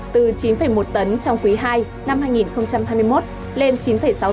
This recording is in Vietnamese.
từ chín một tấn trong quý ii năm hai nghìn hai mươi một lên chín sáu